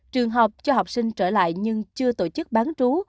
trường học cho học sinh trở lại nhưng chưa tổ chức bán trú